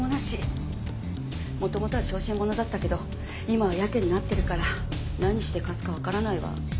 元々は小心者だったけど今はヤケになってるから何しでかすかわからないわ。